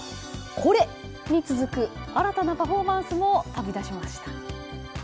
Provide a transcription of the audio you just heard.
これに続く新たなパフォーマンスも飛び出しました。